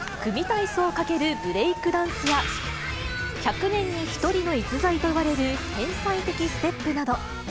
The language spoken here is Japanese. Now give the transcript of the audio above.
体操×ブレイクダンスや、１００人に一人の逸材といわれる天才的ステップなど。